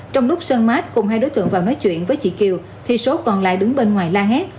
trong lúc sơn mát cùng hai đối tượng vào nói chuyện với chị kiều thì số còn lại đứng bên ngoài la hét